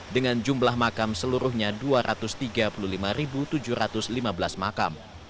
dengan jumlah makam seluruhnya dua ratus tiga puluh lima tujuh ratus lima belas makam